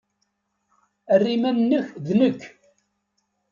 Err iman-nnek d nekk.